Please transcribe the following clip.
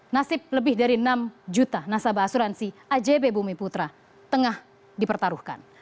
nasib lebih dari enam juta nasabah asuransi ajb bumi putra tengah dipertaruhkan